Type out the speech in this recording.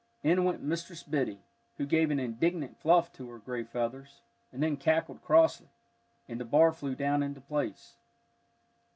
In went Mistress Biddy, who gave an indignant fluff to her gray feathers, and then cackled crossly, and the bar flew down into place.